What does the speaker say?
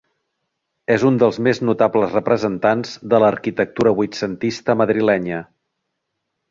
És un dels més notables representants de l'arquitectura vuitcentista madrilenya.